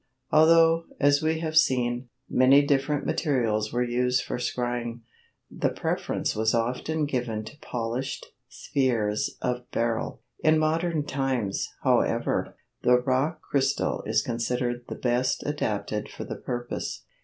Although, as we have seen, many different materials were used for scrying, the preference was often given to polished spheres of beryl; in modern times, however, the rock crystal is considered the best adapted for the purpose.